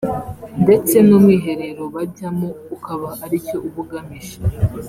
ndetse n’umwiherero bajyamo ukaba ari cyo uba ugamije